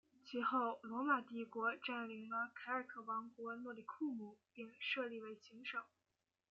其后罗马帝国占领了凯尔特王国诺里库姆并设立为行省。